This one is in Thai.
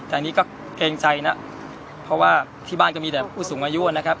แต่อันนี้ก็เกรงใจนะเพราะว่าที่บ้านก็มีแต่ผู้สูงอายุนะครับ